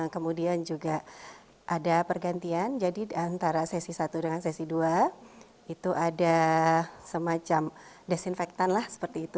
kemudian juga ada pergantian jadi antara sesi satu dengan sesi dua itu ada semacam desinfektan lah seperti itu